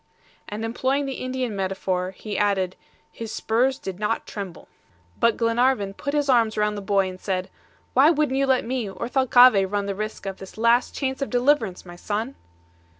and employing the Indian metaphor, he added, "his spurs did not tremble!" But Glenarvan put his arms round the boy and said, "Why wouldn't you let me or Thalcave run the risk of this last chance of deliverance, my son?"